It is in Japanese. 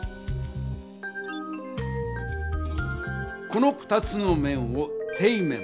この２つの面を「底面」。